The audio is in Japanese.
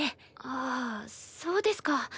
はあそうですか。